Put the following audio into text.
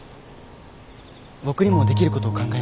僕にもできることを考えます。